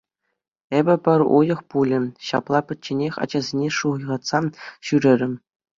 Эпӗ пӗр уйӑх пулӗ ҫапла пӗчченех ачасене шуйхатса ҫӳрерӗм.